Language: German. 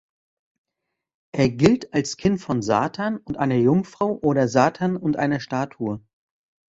Er gilt als Kind von Satan und einer Jungfrau oder Satan und einer Statue.